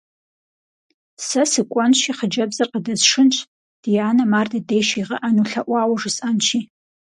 Сэ сыкӏуэнщи, хъыджэбзыр къыдэсшынщ, ди анэм ар дыдей щигъэӀэну лъэӀуауэ жысӏэнщи.